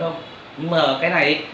nhưng mà cái này